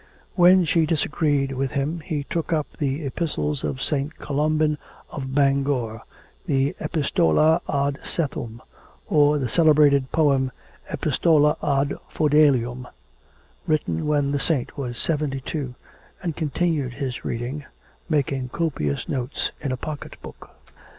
When she disagreed with him he took up the Epistles of St. Columban of Bangor the Epistola ad Sethum, or the celebrated poem, Epistola ad Fedolium, written when the saint was seventy two, and continued his reading, making copious notes in a pocket book.